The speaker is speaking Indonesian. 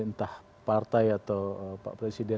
entah partai atau pak presiden